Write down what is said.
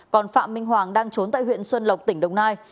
còn phạm minh hoàng đang trốn tại huyện xuân lộc tỉnh đồng nai